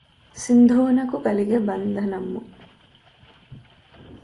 సింధువునకు గలిగె బంధనమ్ము